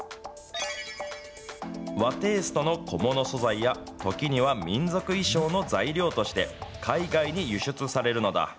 和テーストの小物素材や、時には民族衣装の材料として、海外に輸出されるのだ。